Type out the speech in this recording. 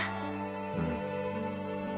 うん